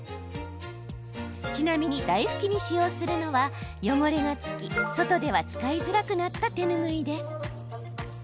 ちなみに台拭きに使用するのは汚れがつき外では使いづらくなった手ぬぐいです。